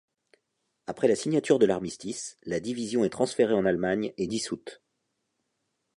Après la signature de l'armistice, la division est transférée en Allemagne et dissoute.